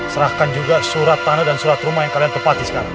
serahkan juga surat tanah dan surat rumah yang kalian tepati sekarang